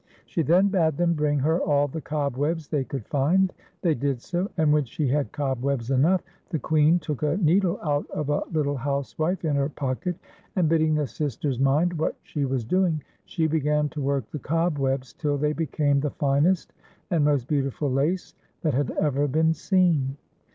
She then bade them bring her all the cobwebs they could find. The}' did so, and when she had cobwebs enough, the Queen took a needle out of a little housewife in her pocket, and bidding the sisters mind what she was doing, she began to work the cobwebs till they became the finest and most beautiful lace that had ever been seen.